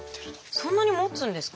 そんなにもつんですか？